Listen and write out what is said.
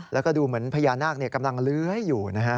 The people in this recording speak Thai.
แล้วก็ดูเหมือนพญานาคกำลังเลื้อยอยู่นะฮะ